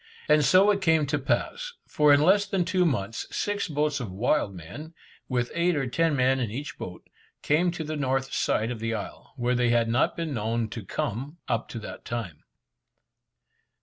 And so it came to pass, for in less than two months, six boats of wild men, with eight or ten men in each boat, came to the north side of the isle, where they had not been known to come up to that time.